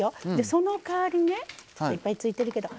そのかわりねいっぱいついてるけど。